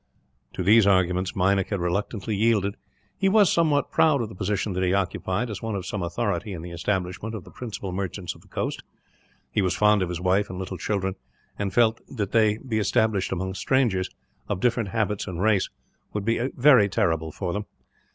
To these arguments Meinik had reluctantly yielded. He was somewhat proud of the position that he occupied, as one of some authority in the establishment of the principal merchants on the coast. He was fond of his wife and little children; and felt that to be established among strangers, of different habits and race, would be very terrible for them.